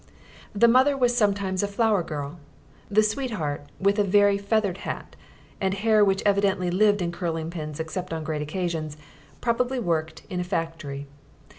The mother was sometimes a "flower girl"; the sweetheart, with a very feathered hat, and hair which evidently lived in curling pins except on great occasions, probably worked in a factory.